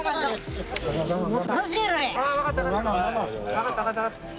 分かった分かった。